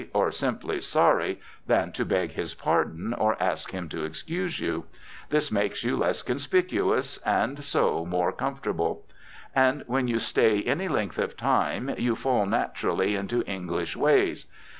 or simply "sorry," than to beg his pardon or ask him to excuse you. This makes you less conspicuous, and so more comfortable. And when you stay any length of time you fall naturally into English ways.